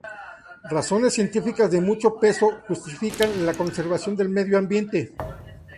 Razones científicas de mucho peso justifican la conservación del medio ambiente.